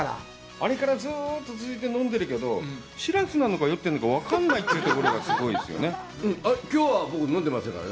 あれからずっと続いて飲んでるけど、しらふなのか、酔ってるのか、分からないというところが、すごいですよね。